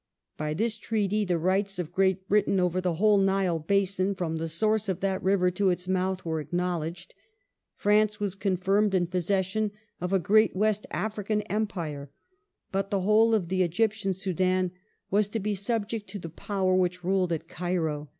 By this Treaty the rights of Great Britain over the whole Nile basin, fi'om the source of that river to its mouth, were acknowledged ; France was confiimed in possession of a great West African Empire, but the whole of the Egyptian Soudan was to be subject to the power which ruled at Cairo.